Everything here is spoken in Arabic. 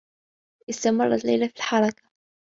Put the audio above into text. استمرّت ليلى في الحركة.